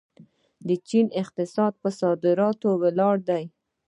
د چین اقتصاد په صادراتو ولاړ دی.